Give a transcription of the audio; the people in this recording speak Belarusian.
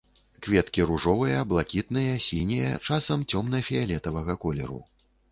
Кветкі ружовыя, блакітныя, сінія, часам цёмна-фіялетавага колеру.